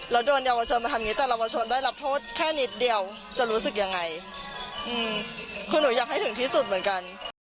แล้วโดนเยาวชนมาทำอย่างนี้แต่เยาวชนได้รับโทษแค่นิดเดียวจะรู้สึกยังไงคือหนูอยากให้ถึงที่สุดเหมือนกัน